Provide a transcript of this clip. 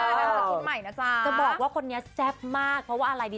นามสกิตใหม่นะจ๊ะจะบอกว่าคนนี้แซ่บมากเพราะว่าอะไรดี